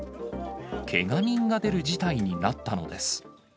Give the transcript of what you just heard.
けが人が出る事態になったのです。